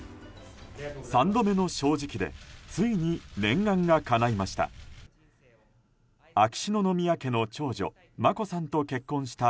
三度目の正直でついに念願がかないました。